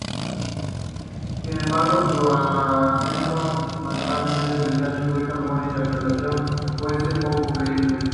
Sin embargo, su acento marcadamente británico hizo que alguna interpretación fuese poco creíble.